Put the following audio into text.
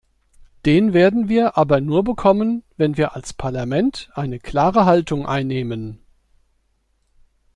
Den werden wir aber nur bekommen, wenn wir als Parlament eine klare Haltung einnehmen.